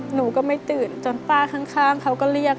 หนูก็ไม่ตื่นจนป้าข้างเขาก็เรียก